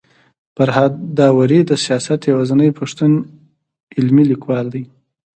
فرهاد داوري د سياست يوازنی پښتون علمي ليکوال دی